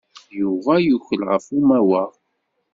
Yuba yukel ɣef umawaɣ.